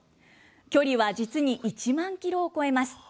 距離は実に１万キロを超えます。